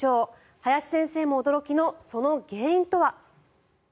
林先生も驚きのその原因とは？